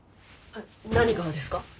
何がですか？